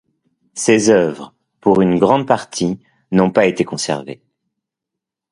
Ces œuvres, pour une grande partie, n’ont pas été conservées.